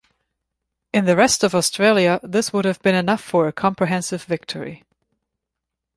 In the rest of Australia, this would have been enough for a comprehensive victory.